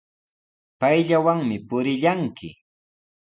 Payllawanmi purillanki.